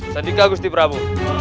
sandika kusti prabu